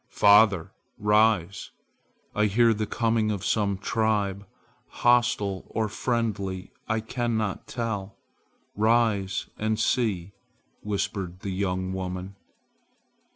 "Father! rise! I hear the coming of some tribe. Hostile or friendly I cannot tell. Rise and see!" whispered the young woman.